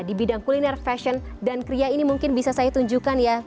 di bidang kuliner fashion dan kria ini mungkin bisa saya tunjukkan ya